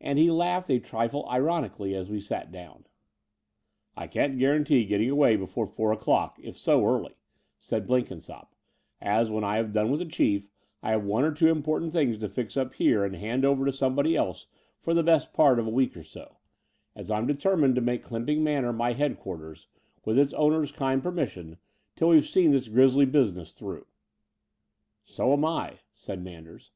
And he laughed a trifle ironically as we sat down. "I can't guarantee getting away before four o'clock, if so early," said Blenkinsopp, "as, when I have done with the Chief, I have one or two im portant things to fix up here and hand over to somebody else for the best part of a week or so, The Dower House 211 as I'm determined to make Clymping Manor my headquarters, with its owner's kind permission, till we've seen this grisly business through." So am I," said Manders.